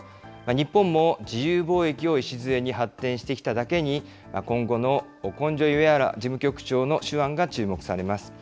日本も自由貿易を礎に発展してきただけに、今後のオコンジョイウェアラ事務局長の手腕が注目されます。